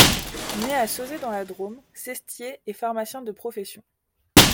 Né à Sauzet dans la Drôme, Sestier est pharmacien de profession.